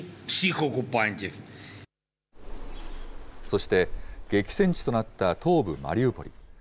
そして、激戦地となった東部マリウポリ。